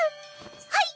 はい！